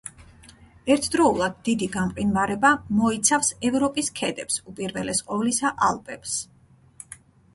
ერთდროულად დიდი გამყინვარება მოიცავს ევროპის ქედებს, უპირველეს ყოვლისა ალპებს.